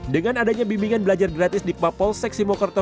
dengan adanya bimbingan belajar gratis di kepala polisi sektor simokerto